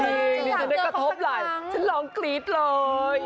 จริงมีสัญลักษณ์กระทบหลายฉันร้องกรี๊ดเลย